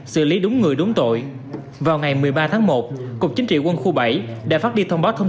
xử lý đúng người đúng tội vào ngày một mươi ba tháng một cục chính trị quân khu bảy đã phát đi thông báo thông